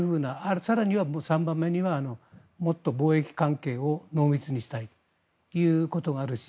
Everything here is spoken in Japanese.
更には３番目にはもっと貿易関係を濃密にしたいということがあるし